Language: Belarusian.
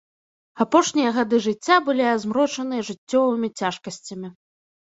Апошнія гады жыцця былі азмрочаныя жыццёвымі цяжкасцямі.